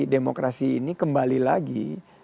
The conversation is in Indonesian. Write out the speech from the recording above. demokrasi ini kembali lagi